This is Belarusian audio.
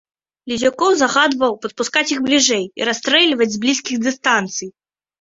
Лізюкоў загадаў падпускаць іх бліжэй і расстрэльваць з блізкіх дыстанцый.